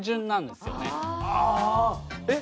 えっ